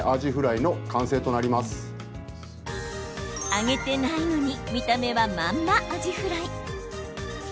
揚げてないのに見た目は、まんまアジフライ。